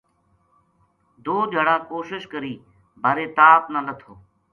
دو دھیاڑا کوشش کری بارے تاپ نہ لَتھو